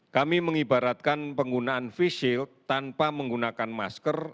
kami mengibaratkan penggunaan face shield tanpa menggunakan masker